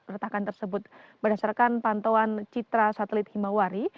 retakan tersebut berdasarkan pantauan citra satelit himawari